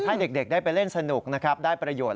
ให้เด็กได้ไปเล่นสนุกได้ประโยชน์